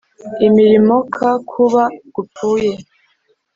Imirimo k kuba gupfuye